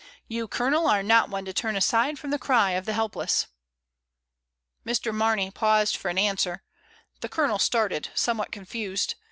You, Colonel, are not one to turn aside from the cry of the helpless." Mr. Mamey paused for an answer; the Colonel started, somewhat confused.